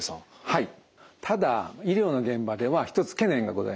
はい。